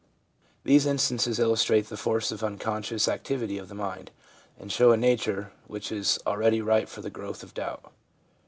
These instances illustrate the force of the uncon scious activity of the mind, and show a nature which is already ripe for the growth of doubt.